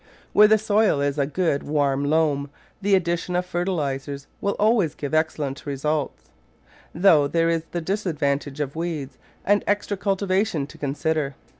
Where the soil is a good, warm loam the addi tion of fertilisers will always give excellent results, though there is the disadvantage of weeds and extra cultivation to consider.